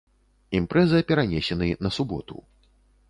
Імпрэза перанесены на суботу!